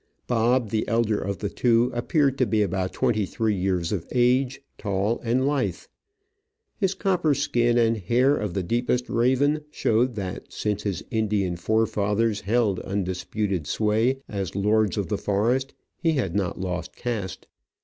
Bob, the elder of the two, appeared to be about twenty three years of age, tall and lithe* His coppery skin and hair of the deepest raven showed that since his Indian fore fathers held undisputed sway as Lords of the Forest he had not lost caste.